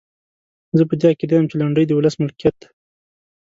زه په دې عقیده یم چې لنډۍ د ولس ملکیت دی.